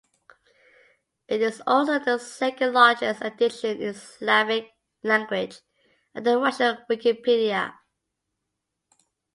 It is also the second-largest edition in a Slavic language, after the Russian Wikipedia.